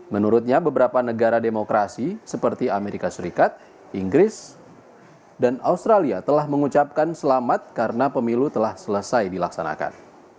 menurutnya beberapa negara demokrasi seperti amerika serikat inggris dan australia telah mengucapkan selamat karena pemilu telah selesai dilaksanakan